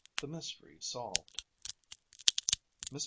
THE MYSTERY SOLVED. MR.